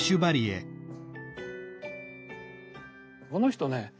この人ね